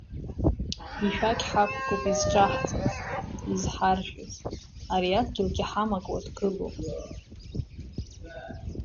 Ишәақь ҳақәкуп изҿаҳҵаз, изҳаржәыз, ари адгьылгьы ҳамакуа дгылоуп.